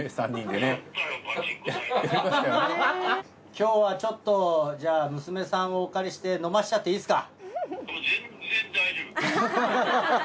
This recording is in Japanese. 今日はちょっとじゃあ娘さんをお借りして飲ましちゃっていいですか？